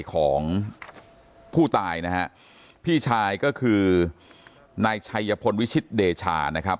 ของผู้ตายนะฮะพี่ชายก็คือนายชัยพลวิชิตเดชานะครับ